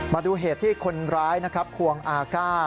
มาดูเหตุที่คนร้ายนะครับควงอาก้า